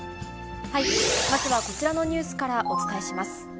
まずはこちらのニュースからお伝えします。